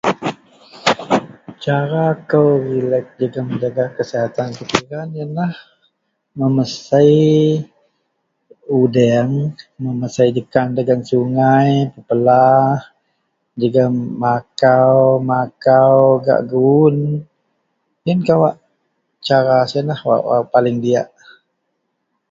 Cara kou bak mejaga kesihatan, memesei udeng, memesei jekan dagen sungai, pepela jegum makau makau gak guwon ien kawak cara paling diak.